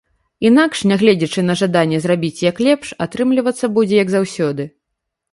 Інакш, нягледзячы на жаданне зрабіць як лепш, атрымлівацца будзе як заўсёды.